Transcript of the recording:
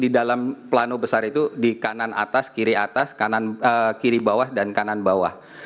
di dalam plano besar itu di kanan atas kiri atas kanan kiri bawah dan kanan bawah